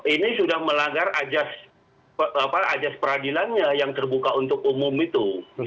ini sudah melanggar ajas peradilannya yang terbuka untuk umum itu